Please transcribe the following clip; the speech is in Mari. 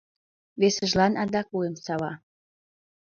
Весыжлан адак вуйым сава.